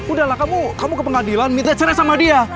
udahlah kamu ke pengadilan minta cerah sama dia